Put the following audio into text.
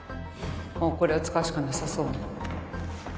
もうこれを使うしかなさそうね